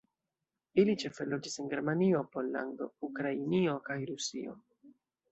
Ili ĉefe loĝis en Germanio, Pollando, Ukrainio kaj Rusio.